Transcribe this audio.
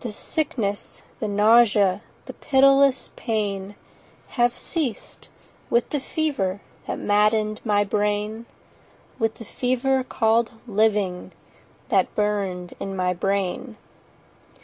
The sickness—the nausea— 25 The pitiless pain— Have ceased, with the fever That madden'd my brain— With the fever called 'Living' That burn'd in my brain.